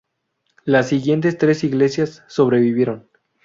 Las siguientes tres iglesias sobrevivieron.